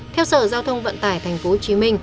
theo sở giao thông vận tải tp hcm